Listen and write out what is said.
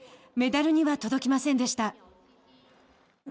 メダルには届きませんでした。